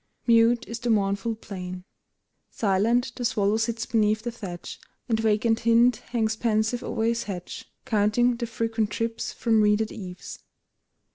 Mute is the mournful plain; Silent the swallow sits beneath the thatch, And vacant hind hangs pensive o'er his hatch, Counting the frequent drips from reeded eaves.